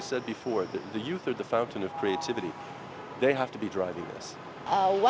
đã được thực hiện và được thiết kế bởi thành phố sáng tạo